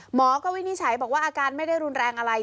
หมอก็วินิจฉัยบอกว่าอาการไม่ได้รุนแรงอะไร